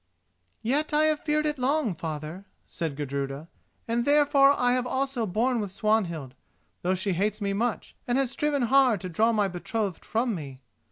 "Yet I have feared it long, father," said Gudruda, "and therefore I have also borne with Swanhild, though she hates me much and has striven hard to draw my betrothed from me.